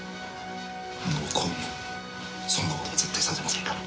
もうそんなことは絶対させませんから。